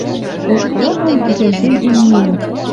Уж кырыкым ванжен кен имниэм